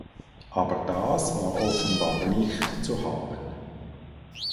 Aber das war offenbar nicht zu haben.